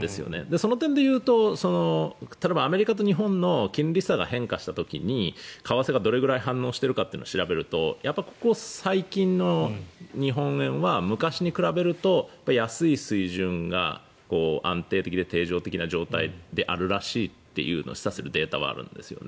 その点で言うと、例えばアメリカと日本の金利差が変化した時に為替がどれぐらい反応しているかというのを調べるとここ最近の日本円は昔に比べると安い水準が安定的で定常的な状態であるらしいというのを示唆するデータはあるんですよね。